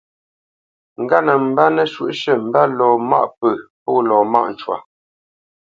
Ŋgât nə mbə́ nəshǔʼshʉ̂ mbə́ lɔ maʼ pə̂ pô lɔ mâʼ cwa.